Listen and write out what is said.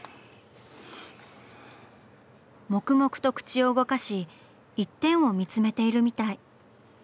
黙々と口を動かし一点を見つめているみたい。